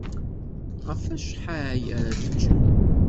Ɣef wacḥal ara teččem?